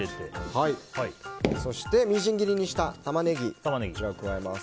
そして、みじん切りにしたタマネギを加えます。